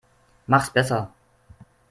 Mach's besser.